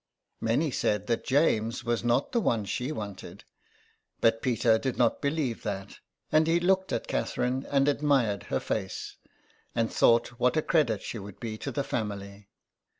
Many said that James was not the one she wanted, but Peter did not believe that, and he looked at Catherine and admired her face, and thought what a credit she would be to the family.